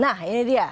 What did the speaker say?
nah ini dia